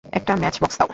একটা ম্যাচবক্স দাও।